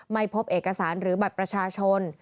ไม่พบเอกสารหรือบัตรประชาชน